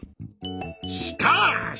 しかし！